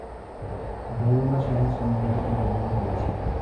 En algunos genes hay múltiples dominios de edición.